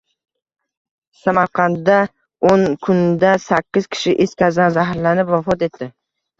Samarqanddao´nkunda sakkiz kishi is gazidan zaharlanib, vafot etdi